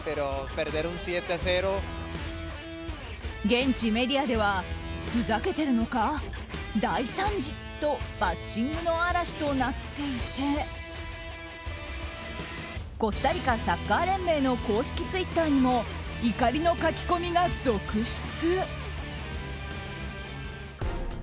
現地メディアではふざけてるのか？、大惨事とバッシングの嵐となっていてコスタリカサッカー連盟の公式ツイッターにも怒りの書き込みが続出。